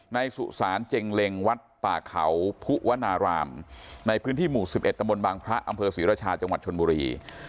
สุสานเจงเล็งวัดป่าเขาภูวนารามในพื้นที่หมู่๑๑ตำบลบางพระอำเภอศรีราชาจังหวัดชนบุรี